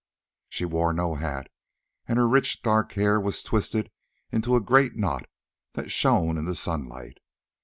She wore no hat, and her rich dark hair was twisted into a great knot that shone in the sunlight.